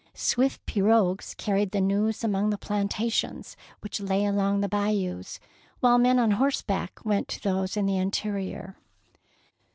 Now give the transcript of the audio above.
Swift pirogues carried the news among the plantations which lay along the Bayous, while men on horseback went to those in the interior.